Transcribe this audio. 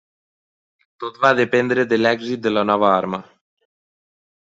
Tot va dependre de l'èxit de la nova arma.